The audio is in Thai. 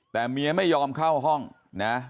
แต่เมียไม่ยอมเข้าห้องนะ